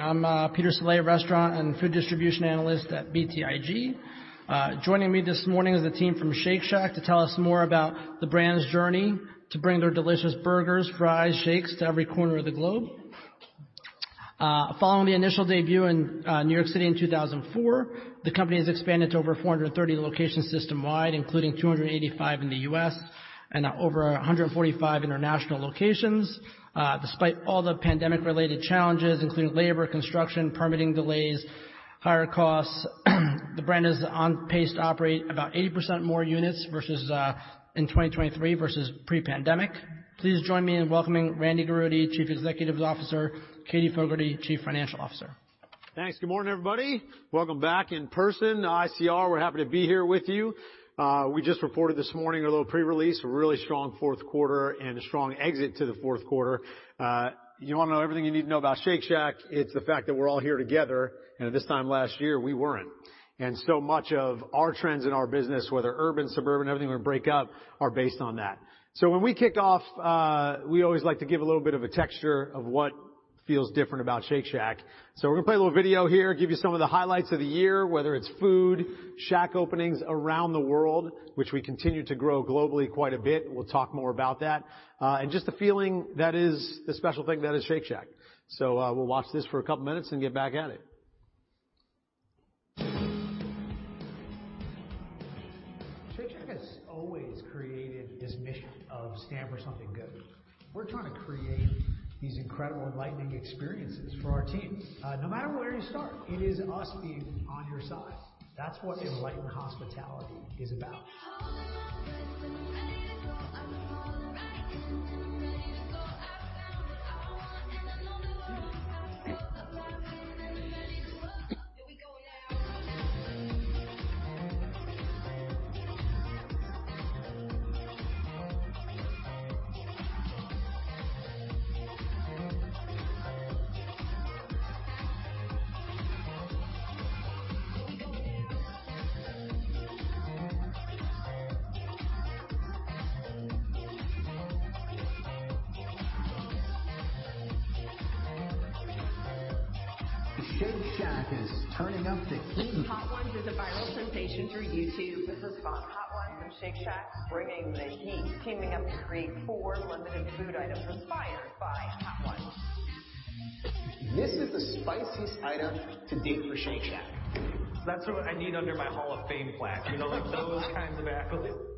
I'm Peter Saleh, restaurant and food distribution analyst at BTIG. Joining me this morning is the team from Shake Shack to tell us more about the brand's journey to bring their delicious burgers, fries, shakes to every corner of the globe. Following the initial debut in New York City in 2004, the company has expanded to over 430 locations system-wide, including 285 in the U.S. and over 145 international locations. Despite all the pandemic-related challenges, including labor, construction, permitting delays, higher costs, the brand is on pace to operate about 80% more units versus in 2023 versus pre-pandemic. Please join me in welcoming Randy Garutti, Chief Executive Officer, Katherine Fogerty, Chief Financial Officer. Thanks. Good morning, everybody. Welcome back in person to ICR. We're happy to be here with you. We just reported this morning a little pre-release, a really strong fourth quarter and a strong exit to the fourth quarter. You wanna know everything you need to know about Shake Shack, it's the fact that we're all here together, this time last year, we weren't. So much of our trends in our business, whether urban, suburban, everything we break up, are based on that. When we kick off, we always like to give a little bit of a texture of what feels different about Shake Shack. We're gonna play a little video here, give you some of the highlights of the year, whether it's food, Shack openings around the world, which we continue to grow globally quite a bit. We'll talk more about that. Just the feeling that is the special thing that is Shake Shack. We'll watch this for a couple of minutes and get back at it. Shake Shack has always created this mission of stand for something good. We're trying to create these incredible enlightening experiences for our teams. No matter where you start, it is us being on your side. That's what enlightened hospitality is about. Holding my breath when I'm ready to go. I can fall right in when I'm ready to go. I found what I want and I know that we're on. I can go the distance, yeah, when I'm ready. Whoa, oh. Here we go now. Here we go now. Here we go. Here we go. Here we go now. Here we go. Here we go. Here we go now. Here we go. Here we go. Here we go now. Shake Shack is turning up the heat. Hot Ones is a viral sensation through YouTube. This is Hot Ones and Shake Shack bringing the heat, teaming up to create four limited food items inspired by Hot Ones. This is the spiciest item to date for Shake Shack. That's what I need under my Hall of Fame plaque. You know, like, those kinds of accolades.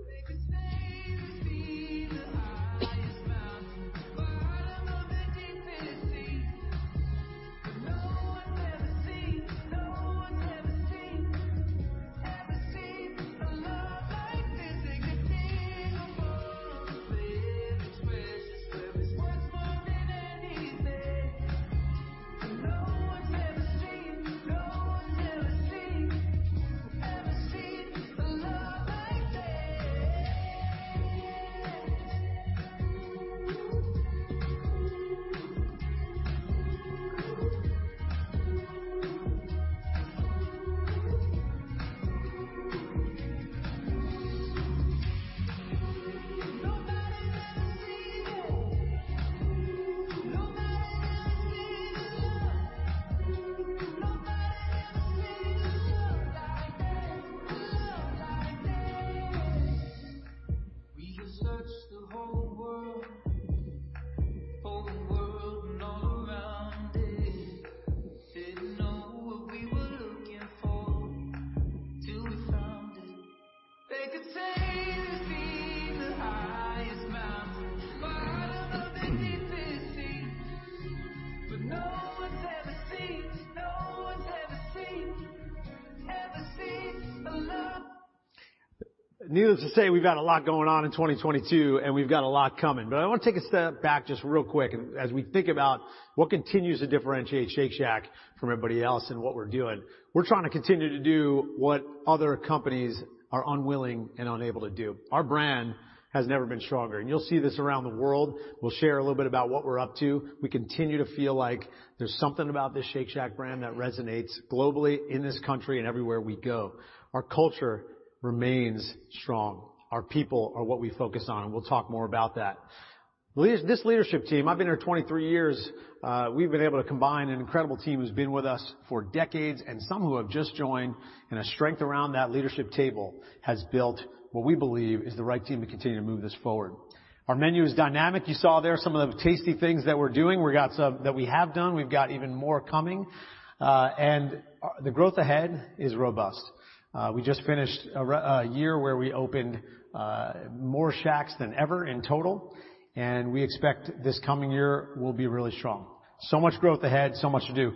remains strong. Our people are what we focus on, and we'll talk more about that. This leadership team, I've been here 2023 years, we've been able to combine an incredible team who's been with us for decades and some who have just joined, and a strength around that leadership table has built what we believe is the right team to continue to move this forward. Our menu is dynamic. You saw there some of the tasty things that we're doing. We got some that we have done. We've got even more coming. The growth ahead is robust. We just finished a year where we opened more Shacks than ever in total, we expect this coming year will be really strong. Much growth ahead, so much to do.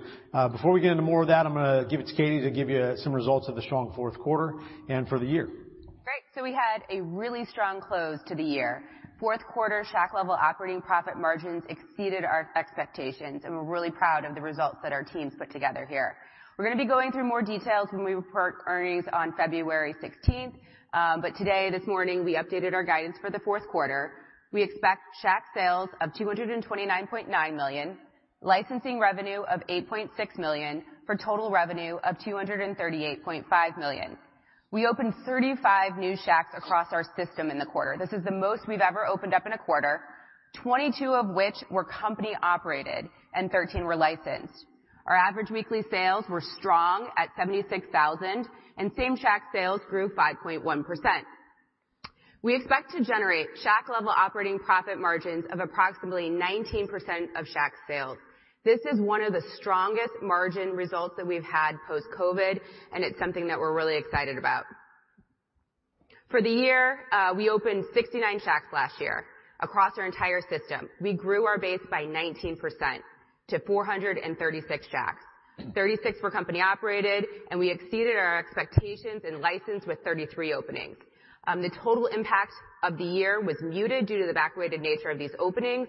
Before we get into more of that, I'm gonna give it to Katie to give you some results of the strong fourth quarter and for the year. Great. We had a really strong close to the year. Fourth quarter Shack-level operating profit margins exceeded our expectations, and we're really proud of the results that our teams put together here. We're gonna be going through more details when we report earnings on February 16th. Today, this morning, we updated our guidance for the fourth quarter. We expect Shack sales of $229.9 million, licensing revenue of $8.6 million, for total revenue of $238.5 million. We opened 35 new Shacks across our system in the quarter. This is the most we've ever opened up in a quarter, 22 of which were company operated and 13 were licensed. Our average weekly sales were strong at $76,000 and Same-Shack sales grew 5.1%. We expect to generate Shack-level operating profit margins of approximately 19% of Shack sales. This is one of the strongest margin results that we've had post-COVID. It's something that we're really excited about. For the year, we opened 69 Shacks last year across our entire system. We grew our base by 19% to 436 Shacks. 36 were company-operated, and we exceeded our expectations in license with 33 openings. The total impact of the year was muted due to the backweighted nature of these openings,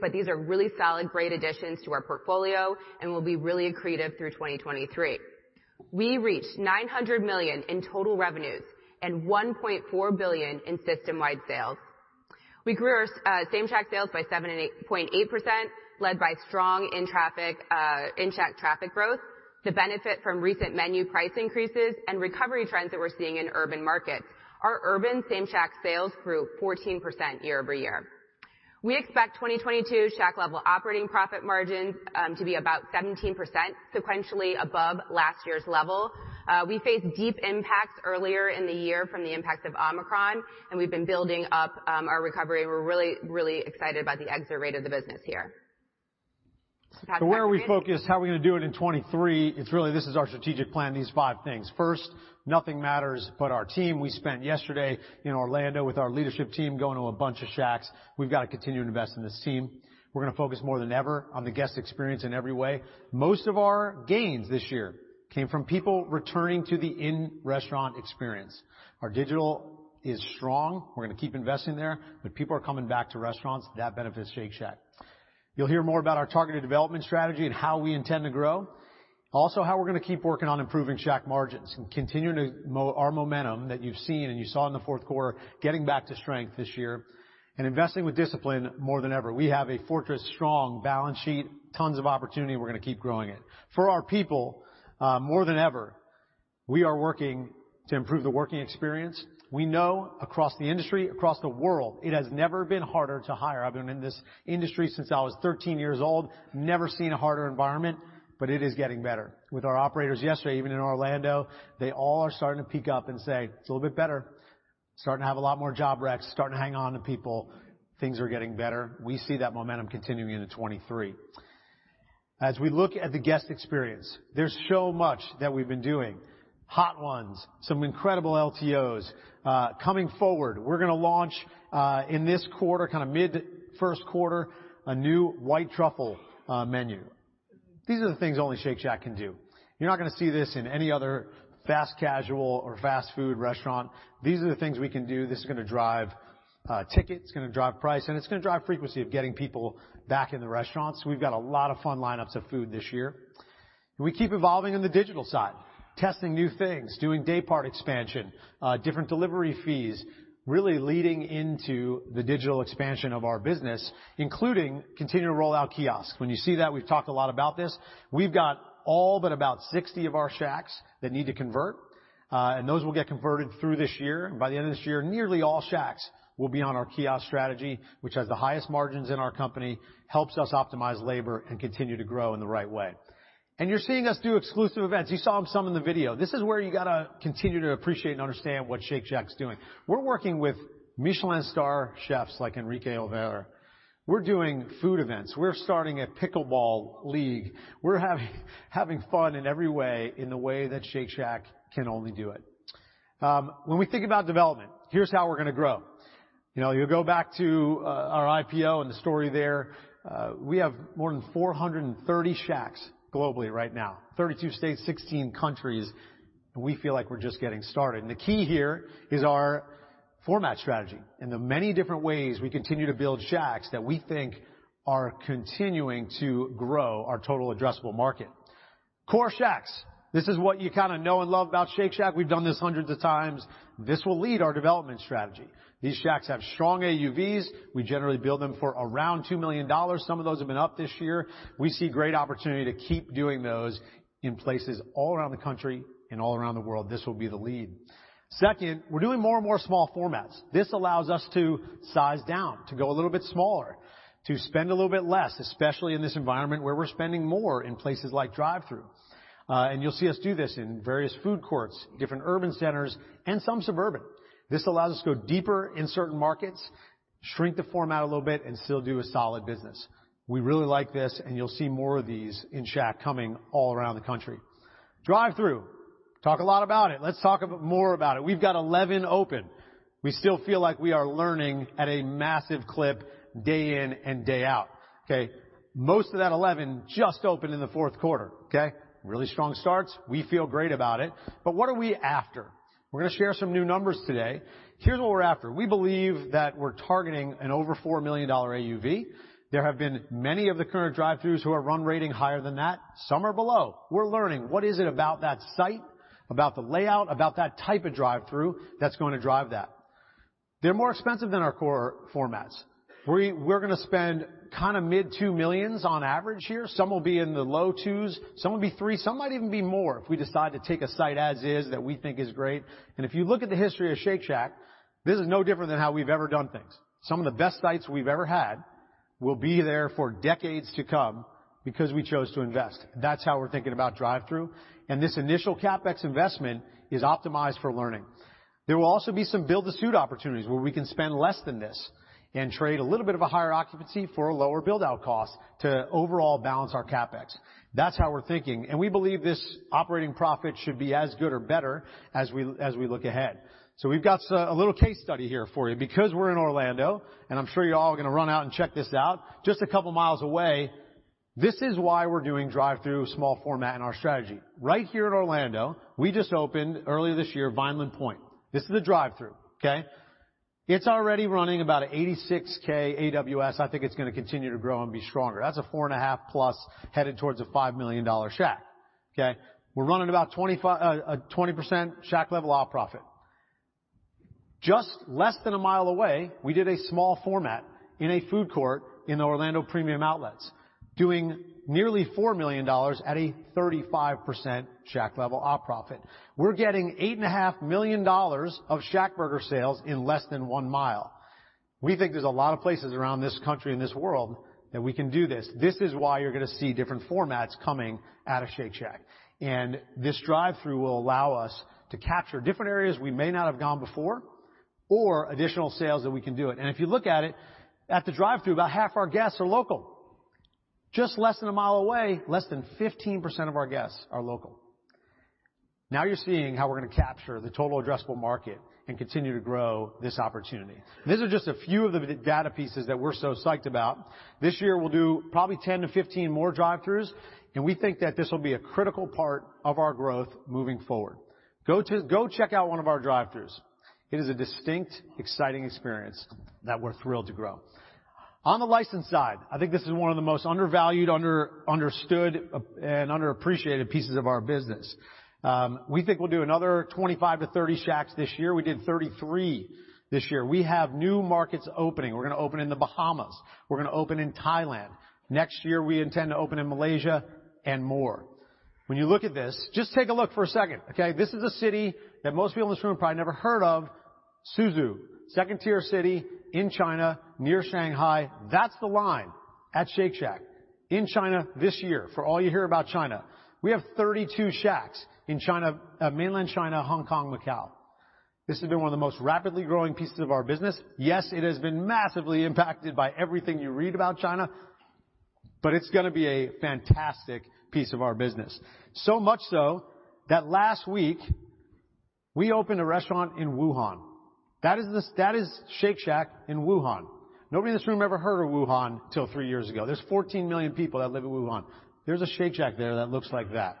but these are really solid, great additions to our portfolio and will be really accretive through 2023. We reached $900 million in total revenues and $1.4 billion in system-wide sales. We grew our Same-Shack sales by 7.8%, led by strong in-traffic, in-Shack traffic growth to benefit from recent menu price increases and recovery trends that we're seeing in urban markets. Our urban Same-Shack sales grew 14% year-over-year. We expect 2022 Shack-level operating profit margins to be about 17% sequentially above last year's level. We faced deep impacts earlier in the year from the impacts of Omicron, and we've been building up our recovery. We're really excited about the exit rate of the business here. Back to you, Randy. Where are we focused? How are we gonna do it in 2023? This is our strategic plan, these five things. First, nothing matters but our team. We spent yesterday in Orlando with our leadership team going to a bunch of Shacks. We've got to continue to invest in this team. We're gonna focus more than ever on the guest experience in every way. Most of our gains this year came from people returning to the in-restaurant experience. Our digital is strong. People are coming back to restaurants. That benefits Shake Shack. You'll hear more about our targeted development strategy and how we intend to grow. How we're gonna keep working on improving Shack margins and continuing our momentum that you've seen and you saw in the fourth quarter, getting back to strength this year and investing with discipline more than ever. We have a fortress strong balance sheet, tons of opportunity, we're gonna keep growing it. For our people, more than ever, we are working to improve the working experience. We know across the industry, across the world, it has never been harder to hire. I've been in this industry since I was 13 years old. Never seen a harder environment, but it is getting better. With our operators yesterday, even in Orlando, they all are starting to peak up and say, "It's a little bit better." Starting to have a lot more job recs, starting to hang on to people. Things are getting better. We see that momentum continuing into 2023. As we look at the guest experience, there's so much that we've been doing. Hot Ones, some incredible LTOs. Coming forward, we're gonna launch in this quarter, kinda mid-first quarter, a new White Truffle menu. These are the things only Shake Shack can do. You're not gonna see this in any other fast casual or fast food restaurant. These are the things we can do. This is gonna drive ticket, it's gonna drive price, and it's gonna drive frequency of getting people back in the restaurants. We've got a lot of fun lineups of food this year. We keep evolving in the digital side, testing new things, doing day part expansion, different delivery fees, really leading into the digital expansion of our business, including continued rollout kiosk. When you see that, we've talked a lot about this. We've got all but about 60 of our Shacks that need to convert, and those will get converted through this year. By the end of this year, nearly all Shacks will be on our kiosk strategy, which has the highest margins in our company, helps us optimize labor and continue to grow in the right way. You're seeing us do exclusive events. You saw them, some in the video. This is where you gotta continue to appreciate and understand what Shake Shack's doing. We're working with Michelin star chefs like Enrique Olvera. We're doing food events. We're starting a pickleball league. We're having fun in every way, in the way that Shake Shack can only do it. When we think about development, here's how we're gonna grow. You know, you'll go back to our IPO and the story there. We have more than 430 Shacks globally right now, 32 states, 16 countries, and we feel like we're just getting started. The key here is our format strategy and the many different ways we continue to build Shacks that we think are continuing to grow our total addressable market. Core Shacks, this is what you kinda know and love about Shake Shack. We've done this hundreds of times. This will lead our development strategy. These Shacks have strong AUVs. We generally build them for around $2 million. Some of those have been up this year. We see great opportunity to keep doing those in places all around the country and all around the world. This will be the lead. Second, we're doing more and more small formats. This allows us to size down, to go a little bit smaller, to spend a little bit less, especially in this environment where we're spending more in places like drive-through. You'll see us do this in various food courts, different urban centers and some suburban. This allows us to go deeper in certain markets, shrink the format a little bit and still do a solid business. We really like this, you'll see more of these in Shack coming all around the country. Drive-through. Talk a lot about it. Let's talk more about it. We've got 11 open. We still feel like we are learning at a massive clip day in and day out. Okay? Most of that 11 just opened in the fourth quarter. Okay? Really strong starts. We feel great about it. What are we after? We're gonna share some new numbers today. Here's what we're after. We believe that we're targeting an over $4 million AUV. There have been many of the current drive-throughs who are run rating higher than that. Some are below. We're learning, what is it about that site, about the layout, about that type of drive-through that's gonna drive that? They're more expensive than our core formats. We're gonna spend kinda mid $2 million on average here. Some will be in the low $2 million, some will be $3 million, some might even be more if we decide to take a site as is that we think is great. If you look at the history of Shake Shack, this is no different than how we've ever done things. Some of the best sites we've ever had will be there for decades to come because we chose to invest. That's how we're thinking about drive-thru. This initial CapEx investment is optimized for learning. There will also be some build-to-suit opportunities where we can spend less than this and trade a little bit of a higher occupancy for a lower build-out cost to overall balance our CapEx. That's how we're thinking. We believe this operating profit should be as good or better as we look ahead. We've got a little case study here for you because we're in Orlando, and I'm sure you all are gonna run out and check this out just a couple miles away. This is why we're doing drive-thru small format in our strategy. Right here in Orlando, we just opened earlier this year Vineland Pointe. This is a drive-thru, okay? It's already running about 86K AWS. I think it's gonna continue to grow and be stronger. That's a $4.5 million plus headed towards a $5 million Shack, okay? We're running about a 20% Shack-level op profit. Just less than a mile away, we did a small format in a food court in the Orlando Premium Outlets, doing nearly $4 million at a 35% Shack-level op profit. We're getting $8.5 million of Shack burger sales in less than one mile. We think there's a lot of places around this country and this world that we can do this. This is why you're gonna see different formats coming out of Shake Shack. This drive-thru will allow us to capture different areas we may not have gone before or additional sales that we can do it. If you look at it, at the drive-thru, about half our guests are local. Just less than a mile away, less than 15% of our guests are local. You're seeing how we're gonna capture the total addressable market and continue to grow this opportunity. These are just a few of the data pieces that we're so psyched about. This year, we'll do probably 10-15 more drive-thrus, and we think that this will be a critical part of our growth moving forward. Go check out one of our drive-thrus. It is a distinct, exciting experience that we're thrilled to grow. On the license side, I think this is one of the most undervalued, understood, and underappreciated pieces of our business. We think we'll do another 25-30 Shacks this year. We did 33 this year. We have new markets opening. We're gonna open in the Bahamas. We're gonna open in Thailand. Next year, we intend to open in Malaysia and more. When you look at this, just take a look for a second, okay? This is a city that most people in this room have probably never heard of, Suzhou, second-tier city in China, near Shanghai. That's the line at Shake Shack in China this year. For all you hear about China, we have 32 Shacks in China, mainland China, Hong Kong, Macau. This has been one of the most rapidly growing pieces of our business. Yes, it has been massively impacted by everything you read about China, but it's gonna be a fantastic piece of our business. Much so that last week, we opened a restaurant in Wuhan. That is Shake Shack in Wuhan. Nobody in this room ever heard of Wuhan till three years ago. There's 14 million people that live in Wuhan. There's a Shake Shack there that looks like that.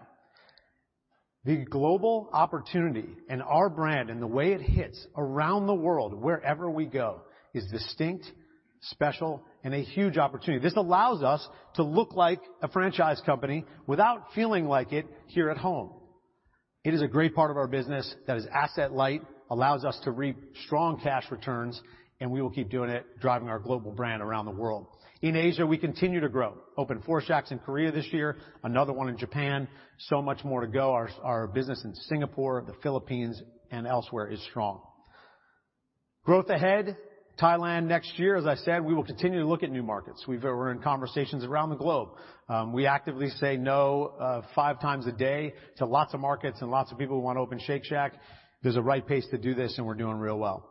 The global opportunity and our brand and the way it hits around the world, wherever we go, is distinct, special, and a huge opportunity. This allows us to look like a franchise company without feeling like it here at home. It is a great part of our business that is asset light, allows us to reap strong cash returns. We will keep doing it, driving our global brand around the world. In Asia, we continue to grow. Opened four Shacks in Korea this year, another one in Japan. Much more to go. Our business in Singapore, the Philippines, and elsewhere is strong. Growth ahead, Thailand next year. As I said, we will continue to look at new markets. We're in conversations around the globe. We actively say no 5x a day to lots of markets and lots of people who want to open Shake Shack. There's a right pace to do this, and we're doing real well.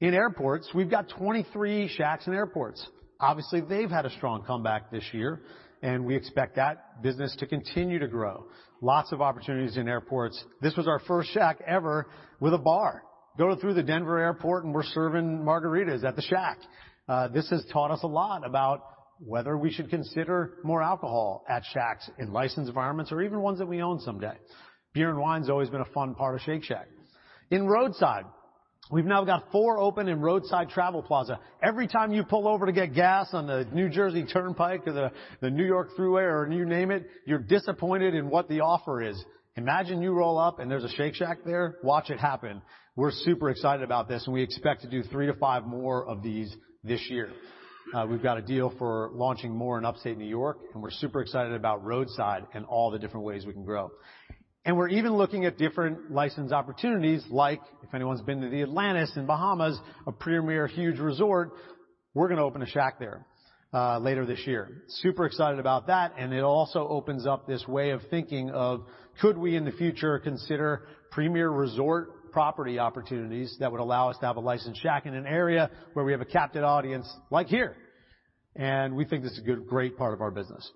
In airports, we've got 23 Shacks in airports. Obviously, they've had a strong comeback this year, and we expect that business to continue to grow. Lots of opportunities in airports. This was our first Shack ever with a bar. Go through the Denver Airport, and we're serving margaritas at the Shack. This has taught us a lot about whether we should consider more alcohol at Shacks in licensed environments or even ones that we own someday. Beer and wine's always been a fun part of Shake Shack. In roadside, we've now got four open in roadside travel plaza. Every time you pull over to get gas on the New Jersey Turnpike or the New York Thruway or you name it, you're disappointed in what the offer is. Imagine you roll up and there's a Shake Shack there. Watch it happen. We're super excited about this. We expect to do three to five more of these this year. We've got a deal for launching more in upstate New York. We're super excited about roadside and all the different ways we can grow. We're even looking at different license opportunities like if anyone's been to the Atlantis in Bahamas, a premier huge resort, we're gonna open a Shack there later this year. Super excited about that. It also opens up this way of thinking of could we in the future consider premier resort property opportunities that would allow us to have a licensed Shack in an area where we have a captive audience like here. We think this is a good, great part of our business.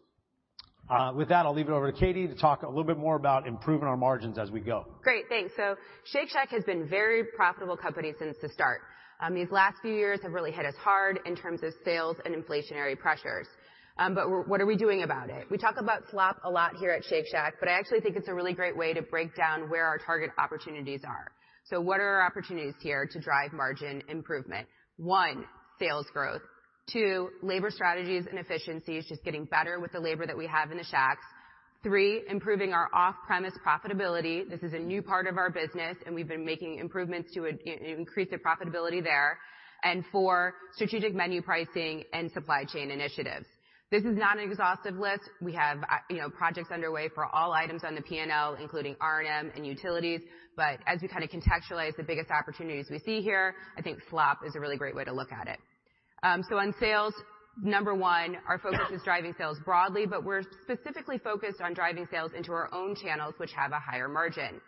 With that, I'll leave it over to Katie to talk a little bit more about improving our margins as we go. Great. Thanks. Shake Shack has been a very profitable company since the start. These last few years have really hit us hard in terms of sales and inflationary pressures. What are we doing about it? We talk about SLOP a lot here at Shake Shack, I actually think it's a really great way to break down where our target opportunities are. What are our opportunities here to drive margin improvement? One, sales growth. Two, labor strategies and efficiencies, just getting better with the labor that we have in the Shacks. Three, improving our off-premise profitability. This is a new part of our business, and we've been making improvements to increase the profitability there. Four, strategic menu pricing and supply chain initiatives. This is not an exhaustive list. We have, you know, projects underway for all items on the P&L, including R&M and utilities. As we kind of contextualize the biggest opportunities we see here, I think SLOP is a really great way to look at it. On sales, number one, our focus is driving sales broadly, but we're specifically focused on driving sales into our own channels, which have a higher margin.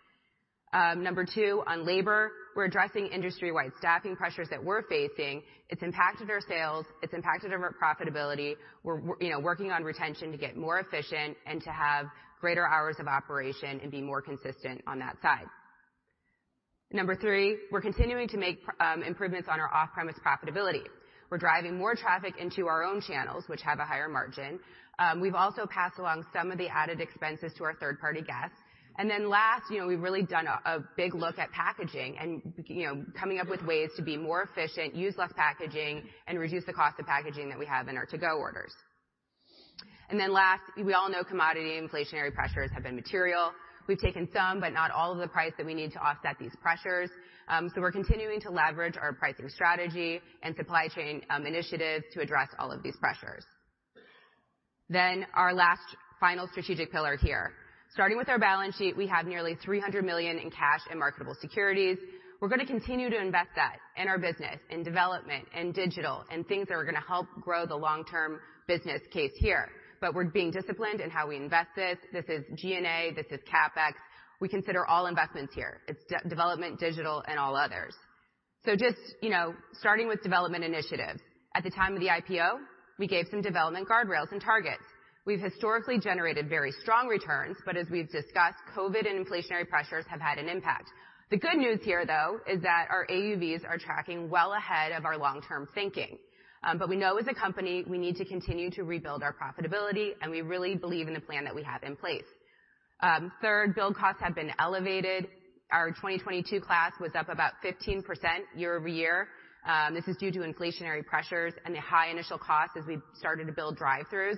Number two, on labor, we're addressing industry-wide staffing pressures that we're facing. It's impacted our sales. It's impacted our profitability. You know, working on retention to get more efficient and to have greater hours of operation and be more consistent on that side. Number three, we're continuing to make improvements on our off-premise profitability. We're driving more traffic into our own channels, which have a higher margin. We've also passed along some of the added expenses to our third-party guests. Last, you know, we've really done a big look at packaging and, you know, coming up with ways to be more efficient, use less packaging, and reduce the cost of packaging that we have in our to-go orders. Last, we all know commodity inflationary pressures have been material. We've taken some, but not all of the price that we need to offset these pressures. We're continuing to leverage our pricing strategy and supply chain initiatives to address all of these pressures. Our last final strategic pillar here. Starting with our balance sheet, we have nearly $300 million in cash and marketable securities. We're gonna continue to invest that in our business, in development, in digital, in things that are gonna help grow the long-term business case here. We're being disciplined in how we invest this. This is G&A. This is CapEx. We consider all investments here. It's de-development, digital, and all others. Just, you know, starting with development initiatives. At the time of the IPO, we gave some development guardrails and targets. We've historically generated very strong returns, but as we've discussed, COVID and inflationary pressures have had an impact. The good news here, though, is that our AUVs are tracking well ahead of our long-term thinking. We know as a company we need to continue to rebuild our profitability, and we really believe in the plan that we have in place. Third, build costs have been elevated. Our 2022 class was up about 15% year-over-year. This is due to inflationary pressures and the high initial cost as we started to build drive-throughs.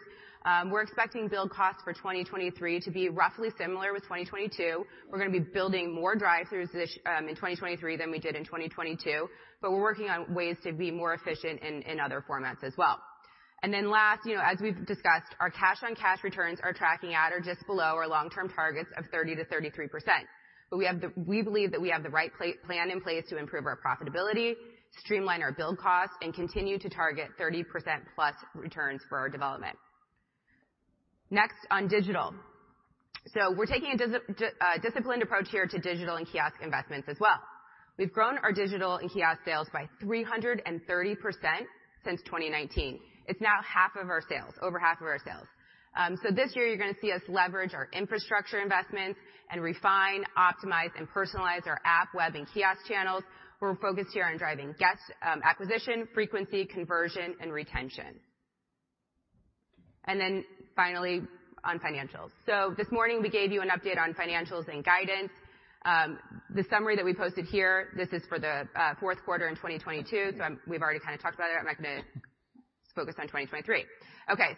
We're expecting build costs for 2023 to be roughly similar with 2022. We're gonna be building more drive-throughs this in 2023 than we did in 2022, but we're working on ways to be more efficient in other formats as well. Last, you know, as we've discussed, our cash-on-cash returns are tracking at or just below our long-term targets of 30%-33%. We believe that we have the right plan in place to improve our profitability, streamline our build costs, and continue to target 30%+ returns for our development. On digital. We're taking a disciplined approach here to digital and kiosk investments as well. We've grown our digital and kiosk sales by 330% since 2019. It's now half of our sales, over half of our sales. This year you're gonna see us leverage our infrastructure investments and refine, optimize, and personalize our app, web, and kiosk channels. We're focused here on driving guest acquisition, frequency, conversion, and retention. Finally on financials. This morning, we gave you an update on financials and guidance. The summary that we posted here, this is for the fourth quarter in 2022, we've already kinda talked about it. Let's focus on 2023.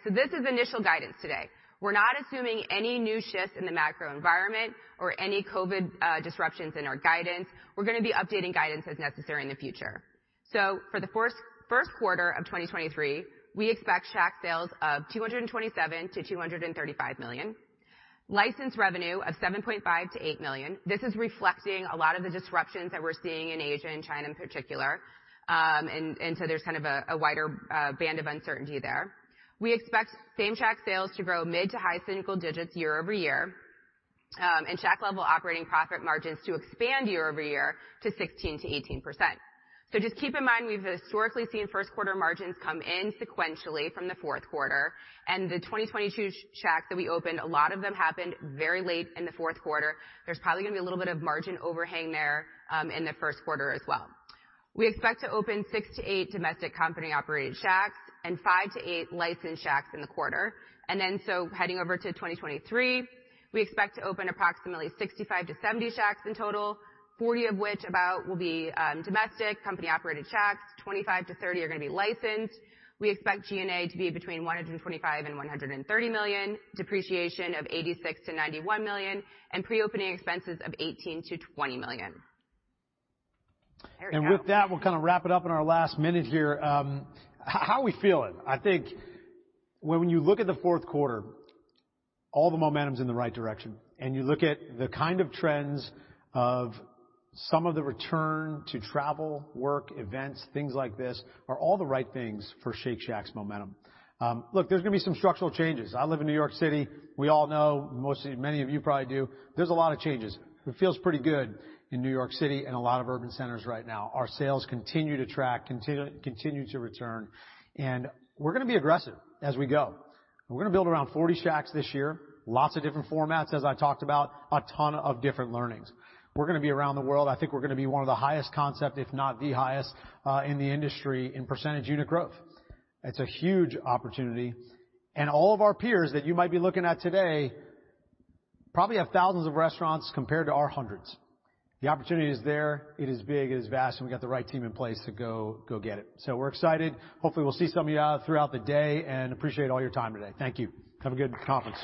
This is initial guidance today. We're not assuming any new shifts in the macro environment or any COVID disruptions in our guidance. We're gonna be updating guidance as necessary in the future. For the first quarter of 2023, we expect Shack sales of $227 million-$235 million, license revenue of $7.5 million-$8 million. This is reflecting a lot of the disruptions that we're seeing in Asia, in China in particular. There's kind of a wider band of uncertainty there. We expect Same-Shack sales to grow mid to high single digits year-over-year. Shack-level operating profit margins to expand year-over-year to 16%-18%. Just keep in mind we've historically seen first quarter margins come in sequentially from the fourth quarter. The 2022 Shacks that we opened, a lot of them happened very late in the fourth quarter. There's probably gonna be a little bit of margin overhang there in the first quarter as well. We expect to open six-eight domestic company-operated Shacks and five-eight licensed Shacks in the quarter. Heading over to 2023, we expect to open approximately 65-70 Shacks in total, 40 of which about will be domestic company-operated Shacks, 25-30 are gonna be licensed. We expect G&A to be between $125 million and $130 million, depreciation of $86 million-$91 million, and pre-opening expenses of $18 million-$20 million. There we go. With that, we'll kind of wrap it up in our last minutes here. How are we feeling? I think when you look at the fourth quarter, all the momentum's in the right direction, and you look at the kind of trends of some of the return to travel, work, events, things like this are all the right things for Shake Shack's momentum. Look, there's gonna be some structural changes. I live in New York City. We all know, most of you, many of you probably do, there's a lot of changes. It feels pretty good in New York City and a lot of urban centers right now. Our sales continue to track, continue to return. We're gonna be aggressive as we go. We're gonna build around 40 Shacks this year. Lots of different formats, as I talked about, a ton of different learnings. We're gonna be around the world. I think we're gonna be one of the highest concept, if not the highest, in the industry in percentage unit growth. It's a huge opportunity. All of our peers that you might be looking at today probably have thousands of restaurants compared to our hundreds. The opportunity is there. It is big. It is vast. We got the right team in place to go get it. We're excited. Hopefully, we'll see some of y'all throughout the day and appreciate all your time today. Thank you. Have a good conference.